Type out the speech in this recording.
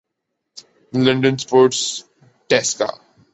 London sports ڈیسکا